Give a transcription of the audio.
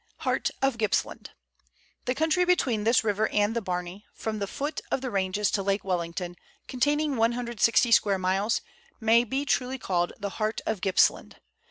HEAET OF GIPPSLAND. The country between this river and the Barney, from the foot of the ranges to Lake Wellington, containing 160 square miles, may be truly called the heart of Gippsland.